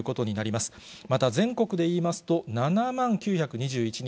また、全国でいいますと、７万９２１人。